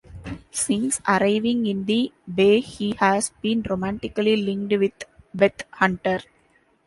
Since arriving in the bay he has been romantically linked with Beth Hunter.